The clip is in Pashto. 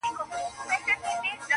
چاته غل چاته عسکر وو په نس موړ وو-